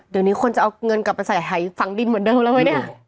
เดี๋ยวนี้ควรจะเอาเงินกลับมาจะให้ฟังดินหมดเดิมแล้วไหมเนี่ย